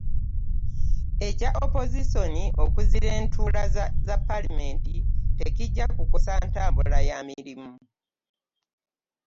Ekya opoziisoni okuzira entuula za Paalamenti tekijja kukosa ntambula ya mirimu.